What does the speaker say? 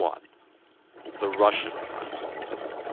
The Russian front.